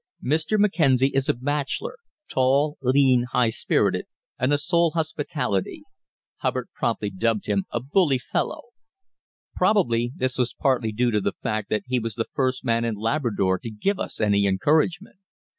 Mr. Mackenzie is a bachelor, tall, lean, high spirited, and the soul hospitality. Hubbard promptly dubbed him a "bully fellow." Probably this was partly due to the fact that he was the first man in Labrador to give us any encouragement.